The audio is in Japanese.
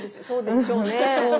そうでしょうね。